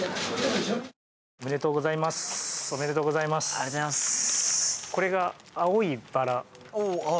ありがとうございます。